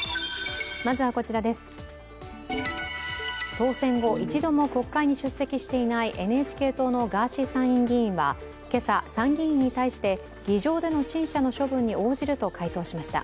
当選後、一度も国会に出席していないＮＨＫ党のガーシー参院議員は、参議院に対して議場での陳謝の処分に応じると回答しました。